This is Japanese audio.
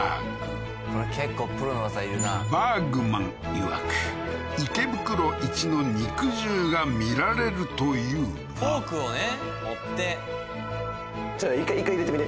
これ結構プロの技いるなバーグマンいわく池袋イチの肉汁が見られるというがフォークをね